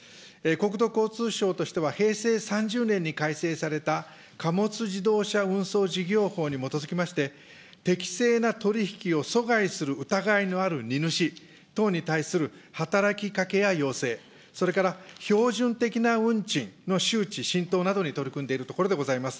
国土交通省としては、平成３０年に改正された貨物自動車運送事業法に基づきまして、適正な取り引きを阻害する疑いのある荷主等に対する働きかけや要請、それから標準的な運賃の周知、浸透などに取り組んでいるところでございます。